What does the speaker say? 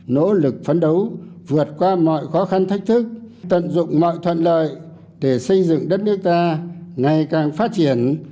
nỗ lực phấn đấu vượt qua mọi khó khăn thách thức tận dụng mọi thuận lợi để xây dựng đất nước ta ngày càng phát triển